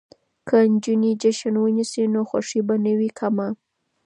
که نجونې جشن ونیسي نو خوښي به نه وي کمه.